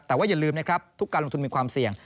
แต่ว่าอย่าลืมนะครับทุกการลงทุนมีความเสี่ยง